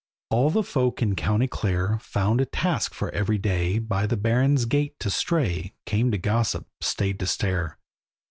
All the folk in County Clare Found a task for every day By the Baron's gate to stray, Came to gossip, stayed to stare.